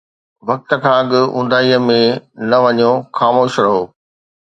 وقت کان اڳ اونداهيءَ ۾ نه وڃو، خاموش رهو